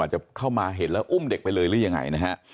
จะเข้ามาเห็นแล้วอุ้มเด็กไปเลยหรือยังไงนะฮะ